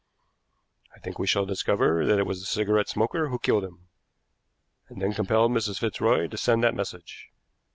I think we shall discover that it was the cigarette smoker who killed him, and then compelled Mrs. Fitzroy to send that message.